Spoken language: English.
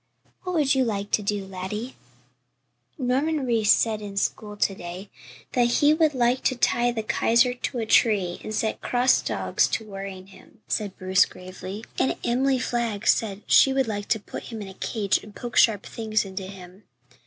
"What would you like to do, laddie?" "Norman Reese said in school to day that he would like to tie the Kaiser to a tree and set cross dogs to worrying him," said Bruce gravely. "And Emily Flagg said she would like to put him in a cage and poke sharp things into him.